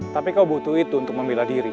tapi kau butuh itu untuk membela diri